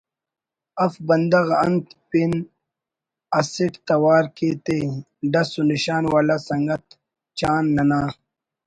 اف بندغ انت پن اسیٹ توار کے تا) ڈس و نشان والا سنگت چان ننا